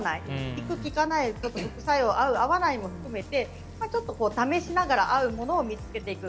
効く効かない、副作用合う、合わないも含めてちょっと試しながら合うものを見つけていく。